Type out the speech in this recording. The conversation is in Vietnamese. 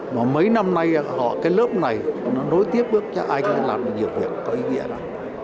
mà mấy năm nay cái lớp này nó nối tiếp bước cho ai cũng làm được nhiều việc có ý nghĩa là